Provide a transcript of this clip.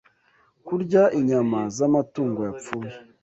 kurya inyama z’amatungo yapfuye